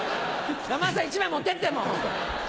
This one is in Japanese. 山田さん１枚持ってってもう。